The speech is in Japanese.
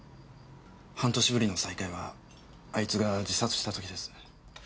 半年ぶりの再会はあいつが自殺した時です。